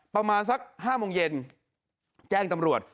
ประมาณสัก๕โมงเย็นแจ้งตำรวจ